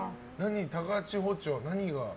高千穂町は何が。